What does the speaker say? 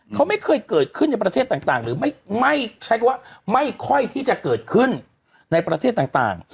เขาไม่เคยเกิดขึ้นในประเทศต่างหรือไม่ใช้คำว่าไม่ค่อยที่จะเกิดขึ้นในประเทศต่าง